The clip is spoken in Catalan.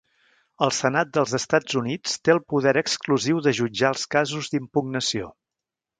El Senat dels Estats Units té el poder exclusiu de jutjar els casos d'impugnació.